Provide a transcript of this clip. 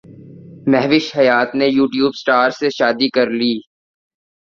مہوش حیات نے YouTube star سے شادی کرلی